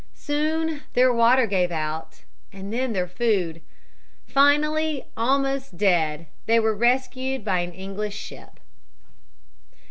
Soon their water gave out and then their food. Finally, almost dead, they were rescued by an English ship.